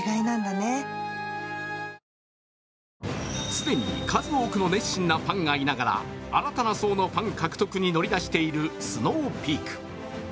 既に数多くの熱心なファンがいながら新たな層のファン獲得に乗り出しているスノーピーク。